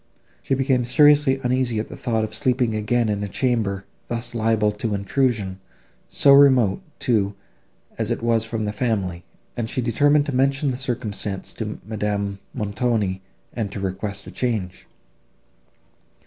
She became seriously uneasy at the thought of sleeping again in a chamber, thus liable to intrusion, so remote, too, as it was from the family, and she determined to mention the circumstance to Madame Montoni, and to request a change.